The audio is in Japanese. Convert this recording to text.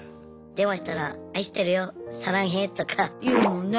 電話したら「愛してるよサランヘ」とか。言うもんね。